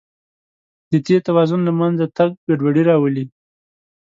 د دې توازن له منځه تګ ګډوډي راولي.